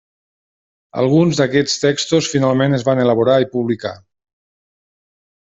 Alguns d'aquests textos finalment es van elaborar i publicar.